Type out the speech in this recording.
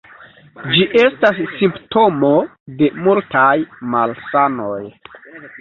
Ĝi estas simptomo de multaj malsanoj.